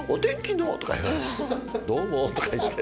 どうもとか言って。